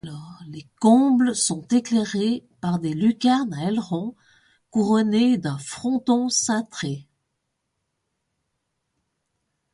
Les combles sont éclairés par des lucarnes à ailerons couronnées d'un fronton cintré.